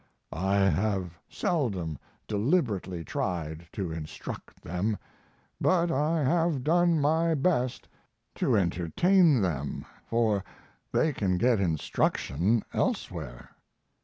I have seldom deliberately tried to instruct them, but I have done my best to entertain them, for they can get instruction elsewhere..